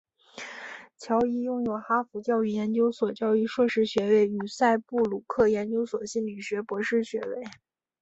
乔伊拥有哈佛教育研究所教育硕士学位与赛布鲁克研究所心理学博士学位。